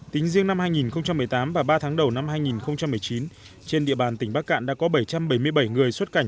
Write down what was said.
tính riêng năm hai nghìn một mươi tám và ba tháng đầu năm hai nghìn một mươi chín trên địa bàn tỉnh bắc cạn đã có bảy trăm bảy mươi bảy người xuất cảnh